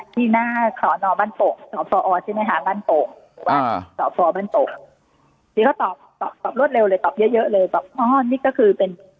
ที่หน้าขอนอบบ้านโต่งตอบตอบรวดเร็วเลยตอบเยอะเลยนี่ก็คือเป็น